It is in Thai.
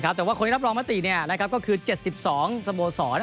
แต่ว่าคนที่รับรองมติก็คือ๗๒สโมสร